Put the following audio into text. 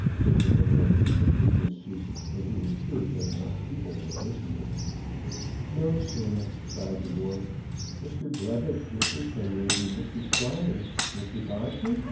said the man in the business suit, when he was sure that enough people were listening. "No, sir," sighed the boy. "Mr. Blevitch, Mr. Kenworthy, Mr. Shriner, Mr. Bodkin?"